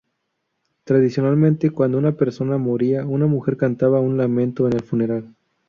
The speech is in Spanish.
Tradicionalmente, cuando una persona moría, una mujer cantaba un lamento en el funeral.